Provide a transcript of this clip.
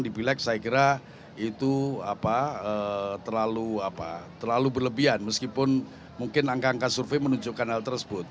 di pilek saya kira itu terlalu berlebihan meskipun mungkin angka angka survei menunjukkan hal tersebut